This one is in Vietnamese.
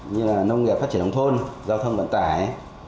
công nghiệp phát triển đồng thôn giao thông vận tải